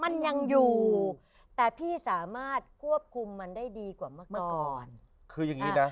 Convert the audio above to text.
มันยังอยู่แต่พี่สามารถควบคุมมันได้ดีกว่าเมื่อก่อนคืออย่างงี้นะ